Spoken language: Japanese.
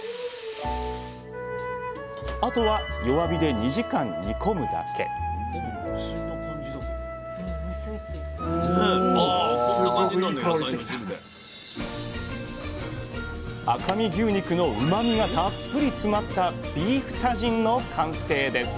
あとは弱火で２時間煮込むだけ赤身牛肉のうまみがたっぷり詰まったビーフタジンの完成です。